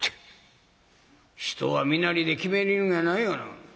「人は身なりで決めるいうんやないがな。